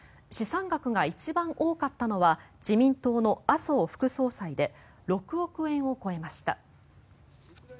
資産額が一番多かったのは自民党の麻生副総裁で６億円を超えました。